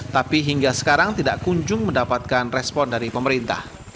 tapi hingga sekarang tidak kunjung mendapatkan respon dari pemerintah